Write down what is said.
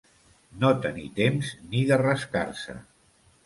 No tenir temps ni de rascar-se.